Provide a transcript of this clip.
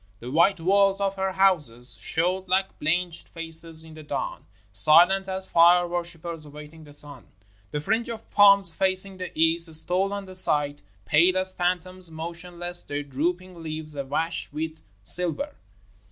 The white walls of her houses showed like blanched faces in the dawn — silent as fire worshipers awaiting the sun. The fringe of palms facing the east stole on the sight, pale as phantoms, motionless, their drooping leaves awash with silver.